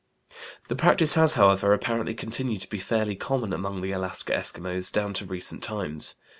The practice has, however, apparently continued to be fairly common among the Alaska Eskimos down to recent times.